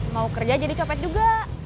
mau kerja jadi copet juga